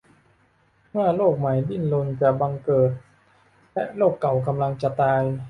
เมื่อโลกใหม่ดิ้นรนจะบังเกิด และโลกเก่ากำลังตาย ?